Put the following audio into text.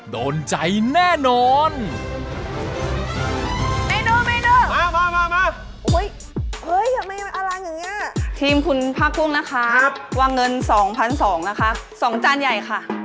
สองจานใหญ่